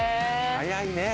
早いね